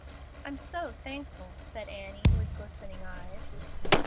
"I'm so thankful!" said Annie, with glistening eyes.